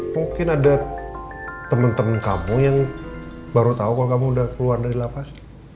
mungkin ada temen temen kamu yang baru tau kalau kamu udah keluar dari lafaz